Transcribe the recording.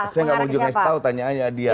saya gak mau juga tau tanya aja adian